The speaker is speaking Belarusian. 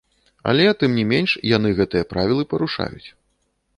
Але, тым не менш, яны гэтыя правілы парушаюць.